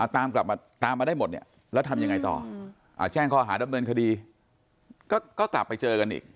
ตามกลับมาตามมาได้หมดเนี่ยแล้วทำยังไงต่อแจ้งข้อหาดำเนินคดีก็กลับไปเจอกันอีก